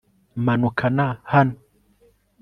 manukana hano